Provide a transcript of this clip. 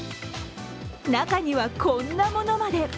中には、こんなものまで。